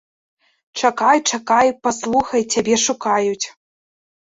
Чакай, чакай, паслухай, цябе шукаюць.